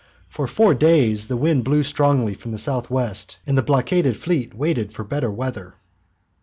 For four days the wind blew strongly from the south west and the blockaded fleet waited for better weather.